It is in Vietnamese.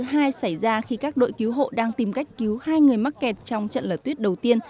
hai xảy ra khi các đội cứu hộ đang tìm cách cứu hai người mắc kẹt trong trận lở tuyết đầu tiên